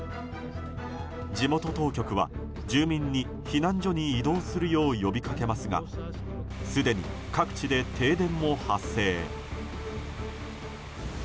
地元当局は住民に避難所に移動するよう呼びかけますがすでに各地で停電も発生。